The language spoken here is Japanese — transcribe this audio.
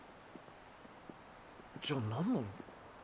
じゃあ何なの？